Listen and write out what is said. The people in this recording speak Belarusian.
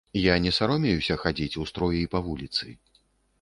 Я не саромеюся хадзіць у строі па вуліцы.